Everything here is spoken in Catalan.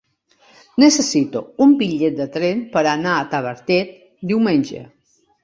Necessito un bitllet de tren per anar a Tavertet diumenge.